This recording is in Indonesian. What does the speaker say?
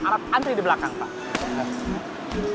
ambil surat antri di belakang pak